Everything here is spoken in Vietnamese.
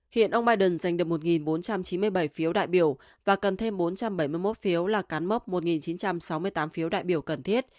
hiện ông biden giành được một bốn trăm chín mươi bảy phiếu đại biểu và cần thêm bốn trăm bảy mươi một phiếu là cán mốc một chín trăm sáu mươi tám phiếu đại biểu cần thiết